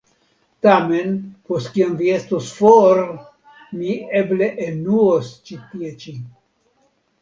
Tamen, post kiam vi estos for, mi eble enuos tie ĉi.